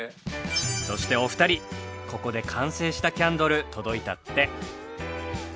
そしてお二人ここで完成したキャンドル届いたって。